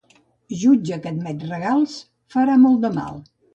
Jutge que admet regals, farà molt de mal.